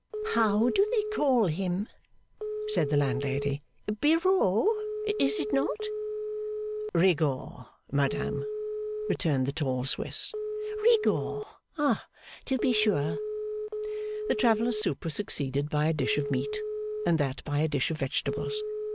'How do they call him?' said the landlady. 'Biraud, is it not?' 'Rigaud, madame,' returned the tall Swiss. 'Rigaud! To be sure.' The traveller's soup was succeeded by a dish of meat, and that by a dish of vegetables.